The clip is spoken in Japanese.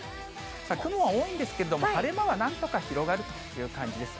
雲は多いんですけれども、晴れ間はなんとか広がるという感じです。